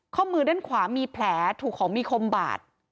ข้อมือด้านขวามีแผลถูกของมีคมบาด